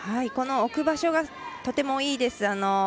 この置く場所がとてもいいです。